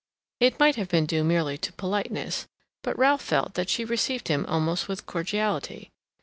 It might have been due merely to politeness, but Ralph felt that she received him almost with cordiality.